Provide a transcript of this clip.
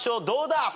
どうだ？